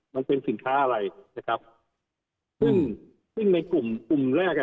มันเป็นสินค้าอะไรนะครับซึ่งซึ่งในกลุ่มกลุ่มแรกอ่ะ